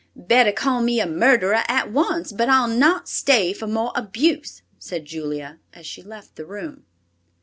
"Better call me a murderer at once. But I'll not stay for more abuse," said Julia, as she left the room.